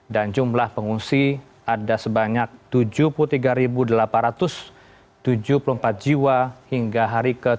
dan jumlah pengungsi ada sebanyak tujuh puluh tiga delapan ratus tujuh puluh empat jiwa hingga hari ke tujuh ini